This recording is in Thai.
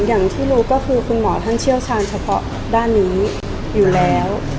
อย่างที่รู้ก็คือคุณหมอท่านเชี่ยวชาญเฉพาะด้านนี้อยู่แล้ว